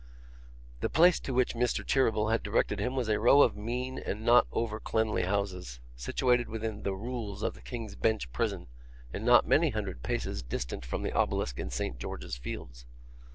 The place to which Mr. Cheeryble had directed him was a row of mean and not over cleanly houses, situated within 'the Rules' of the King's Bench Prison, and not many hundred paces distant from the obelisk in St George's Fields.